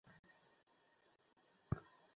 নিষ্ক্রিয় অবস্থায় নিঃসৃত এনজাইমকে কী বলে?